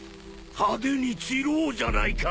派手に散ろうじゃないか。